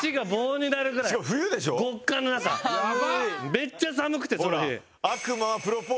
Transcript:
めっちゃ寒くてその日。